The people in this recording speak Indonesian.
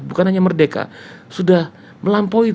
bukan hanya merdeka sudah melampaui